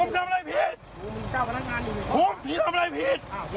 สวัสดีคุณมั้ย